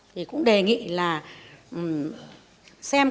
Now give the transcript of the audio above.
thì cũng đề nghị là xem cái việc